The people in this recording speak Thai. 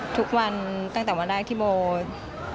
ทุกวันตั้งแต่วันแรกที่โบ